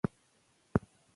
عرضه د تولید اندازه ټاکي.